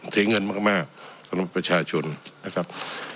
เสียเงินมากของประชาชนนะครับ